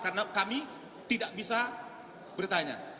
karena kami tidak bisa bertanya